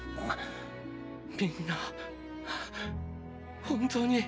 みんなあ本当に？